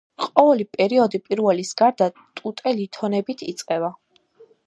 ყოველი პერიოდი პირველის გარდა ტუტე ლითონებით იწყება.